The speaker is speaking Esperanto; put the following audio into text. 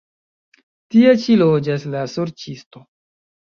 Tie ĉi loĝas la sorĉisto.